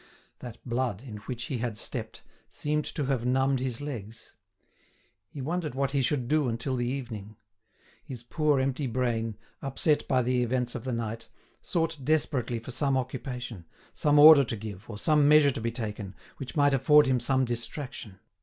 That blood, in which he had stepped, seemed to have numbed his legs. He wondered what he should do until the evening. His poor empty brain, upset by the events of the night, sought desperately for some occupation, some order to give, or some measure to be taken, which might afford him some distraction.